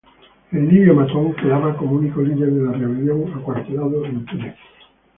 El libio Matón quedaba como único líder de la rebelión, acuartelado en Túnez.